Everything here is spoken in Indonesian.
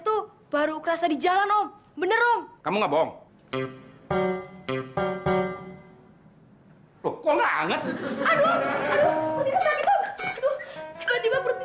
tuh baru kerasa di jalan om bener om kamu nggak bohong kok nggak anget aduh aduh tiba tiba perut